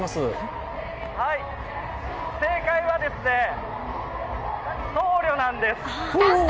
正解は、僧侶なんです。